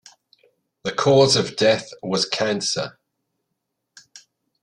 The cause of death was cancer.